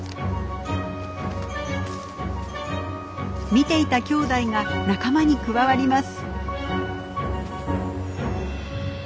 見ていたきょうだいが仲間に加わります。